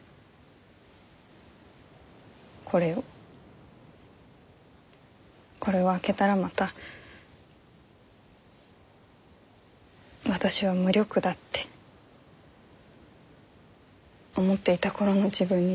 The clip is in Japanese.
これをこれを開けたらまた私は無力だって思っていた頃の自分に戻ってしまうんじゃないかって。